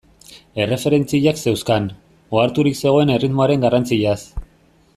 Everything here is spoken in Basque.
Erreferentziak zeuzkan, oharturik zegoen erritmoaren garrantziaz.